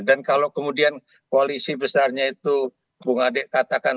dan kalau kemudian koalisi besarnya itu bu ngade katakan